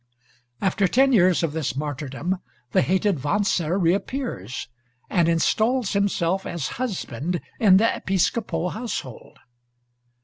After ten years of this martyrdom, the hated Wanzer reappears and installs himself as husband in the Episcopo household.